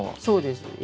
そうです